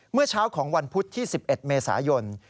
เมื่อเช้าของวันพุธที่๑๑เมษายน